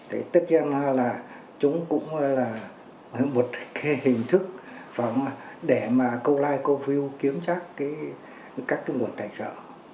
tất nhiên là chúng cũng là một hình thức để câu like câu view kiếm chắc các nguồn tài sở